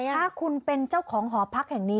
ถ้าคุณเป็นเจ้าของหอพักแห่งนี้